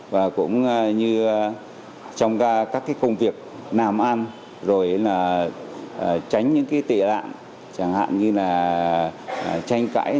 và cũng như trong các công việc làm ăn rồi là tránh những tệ nạn chẳng hạn như là tranh cãi